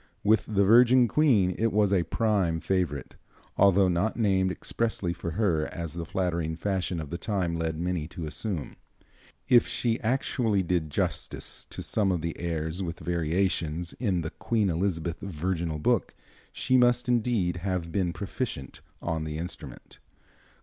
With the Virgin Queen it was a prime favorite, although not named expressly for her as the flattering fashion of the time led many to assume. If she actually did justice to some of the airs with variations in the "Queen Elizabeth Virginal Book," she must indeed have been proficient on the instrument.